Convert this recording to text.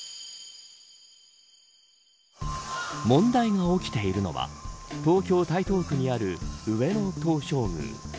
問題が起きているのは東京・台東区にある上野東照宮。